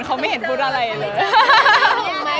เขาไม่เห็นพูดอะไรเลย